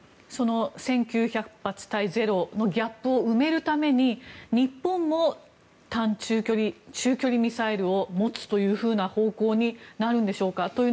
１９００発対０の距離を埋めるために埋めるために日本も短・中距離ミサイルを持つというふうな方向になるんでしょうか。